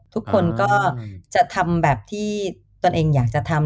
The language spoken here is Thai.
ทุกคนก็จะทำแบบที่ตนเองอยากจะทำ